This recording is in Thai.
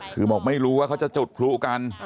คือบอกไม่รู้ว่าเขาจะจุดพลุกัน